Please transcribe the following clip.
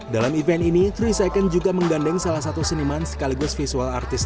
dalam event ini tiga second juga menggandeng salah satu seniman sekaligus visual artist